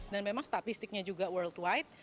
dan memang statistiknya juga worldwide